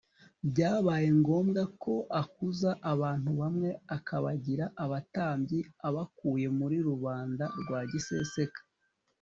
Byabaye ngombwa ko akuza abantu bamwe akabagira abatambyi abakuye muri rubanda rwa giseseka